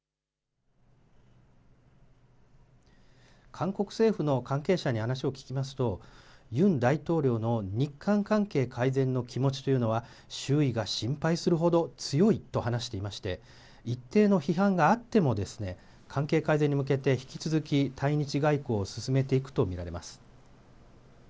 韓国政府の関係者に話を聞きますと、ユン大統領の日韓関係改善の気持ちというのは、周囲が心配するほど強いと話していまして、一定の批判があっても、関係改善に向けて引き続き対日外交を進めていくと見られます。